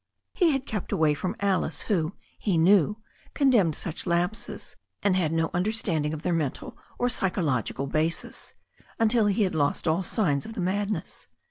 He had kept away from Alice, who, he knew, condemned such lapses, and had no understanding of their mental or physiological bases, until he had lost all sig^s of the madness.